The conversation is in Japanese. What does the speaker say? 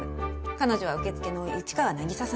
彼女は受付の市川渚さんです